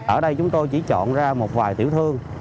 ở đây chúng tôi chỉ chọn ra một vài tiểu thương